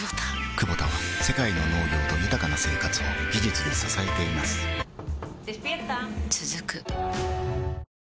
クボタは世界の農業と豊かな生活を技術で支えています起きて。